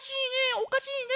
おかしいね。